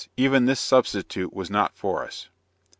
even this substitute was not for us.